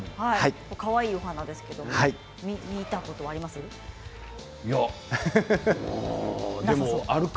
かわいいお花ですけど見たことありますか。